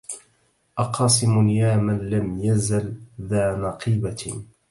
أقاسم يا من لم يزل ذا نقيبة